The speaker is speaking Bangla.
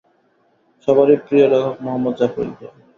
সবারই প্রিয় লেখক মুহম্মদ জাফর ইকবাল।